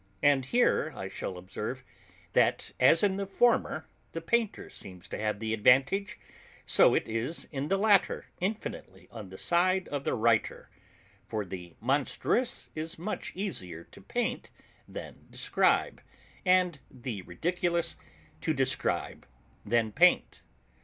And here I shall observe, that as in the former, the painter seems to have the advantage, so it is in the latter infinitely on the side of the writer, for the Monstrous is much easier to paint than describe, and the Ridiculous to describe than paint.